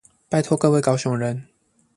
拜託各位高雄人